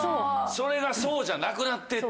それがそうじゃなくなってった。